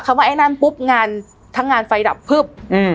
ว่าไอ้นั่นปุ๊บงานทั้งงานไฟดับพึบ